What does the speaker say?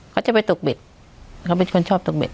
เขาจะไปตกเบ็ดเขาเป็นคนชอบตกเบ็ด